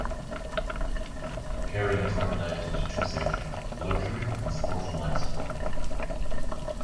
Kering is organized into two sections: "Luxury" and "Sport and Lifestyle".